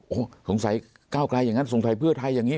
โอ้โหสงสัยก้าวไกลอย่างนั้นสงสัยเพื่อไทยอย่างนี้